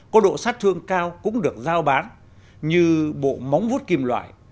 có độ sát thương cao cũng được giao bán như bộ móng vút kim loại